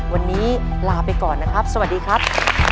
วันนี้ลาไปก่อนนะครับสวัสดีครับ